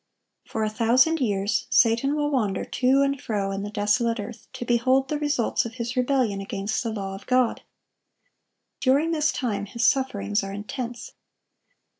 (1147) For a thousand years, Satan will wander to and fro in the desolate earth, to behold the results of his rebellion against the law of God. During this time his sufferings are intense.